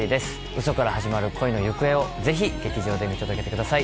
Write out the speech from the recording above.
ウソから始まる恋の行方をぜひ劇場で見届けてください